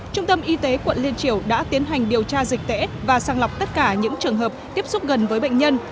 trung tâm y tế quận liên triều đã tiến hành điều tra dịch tễ và sang lọc tất cả những trường hợp tiếp xúc gần với bệnh nhân